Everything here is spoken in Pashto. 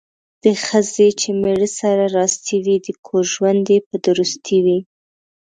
د ښځې چې میړه سره راستي وي، د کور ژوند یې په درستي وي.